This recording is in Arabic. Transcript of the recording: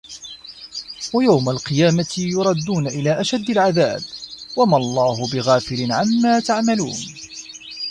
وَيَوْمَ الْقِيَامَةِ يُرَدُّونَ إِلَىٰ أَشَدِّ الْعَذَابِ ۗ وَمَا اللَّهُ بِغَافِلٍ عَمَّا تَعْمَلُونَ